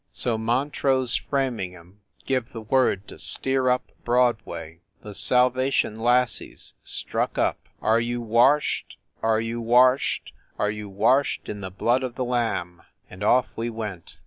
So Montrose Framingham give the word to steer up Broadway. The Salva tion lassies struck up "Are you washed, Are you washed, Are you washed in the blood of the Lamb? * and off we went.